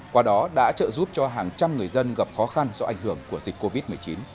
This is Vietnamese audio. qua đó đã trợ giúp cho hàng trăm người dân gặp khó khăn do ảnh hưởng của dịch covid một mươi chín